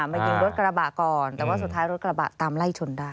มายิงรถกระบะก่อนแต่ว่าสุดท้ายรถกระบะตามไล่ชนได้